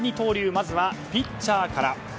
まずはピッチャーから。